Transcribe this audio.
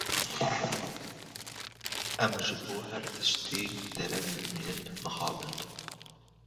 Em ji bo her tiştî dereng dimînin, mixabin.